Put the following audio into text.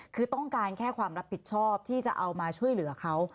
คือต้องการแค่ความรับผิดชอบที่จะเอามาช่วยเหลือเขา